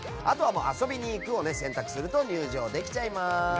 あとは遊びに行くを選択すると入場できちゃいます。